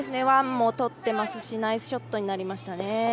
ワンも取ってますしナイスショットになりましたね。